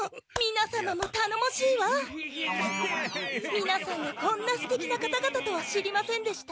みなさんがこんなすてきな方々とは知りませんでした。